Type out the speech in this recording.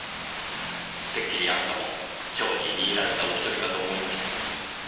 てっきりあなたも蝶に魅入られたお１人かと思いました。